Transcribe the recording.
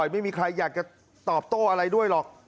ไม่มีใครอยากจะตอบโต้อะไรด้วยหรอก